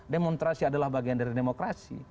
demonstrasi adalah bagian dari demokrasi